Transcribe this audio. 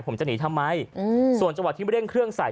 ผมจะหนีทำไมส่วนจังหวัดที่เร่งเครื่องใส่